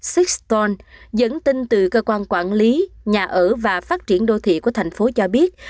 siston dẫn tin từ cơ quan quản lý nhà ở và phát triển đô thị của thành phố cho biết